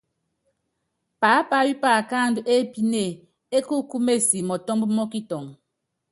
Paápayɔ́ paakándɔ́ épine é ku kúmesi mɔtɔ́mb mɔ́ kitɔŋ.